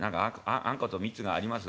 『あんこと蜜があります』？